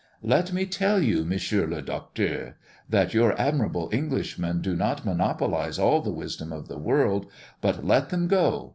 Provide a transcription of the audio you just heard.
Let me tell you, Monsieur le Docteur, that your admirable Englishmen do not monopolise all the wisdom of the world; but let them go.